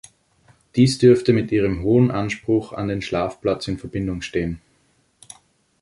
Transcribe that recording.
Dies dürfte mit ihrem hohen Anspruch an den Schlafplatz in Verbindung stehen.